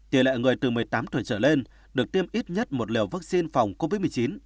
tỷ lệ người từ một mươi tám tuổi trở lên được tiêm ít nhất một liều vaccine phòng covid một mươi chín